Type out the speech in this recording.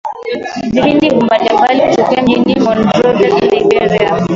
vipindi mbalimbali kutokea mjini Monrovia, Liberia